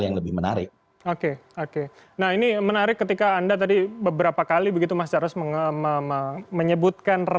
yang lebih menarik oke oke nah ini menarik ketika anda tadi beberapa kali begitu mas charles menyebutkan